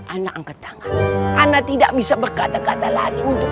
anak angkatan anak tidak bisa berkata kata lagi untuk